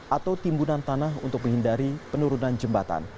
atau timbunan tanah untuk menghindari penurunan jembatan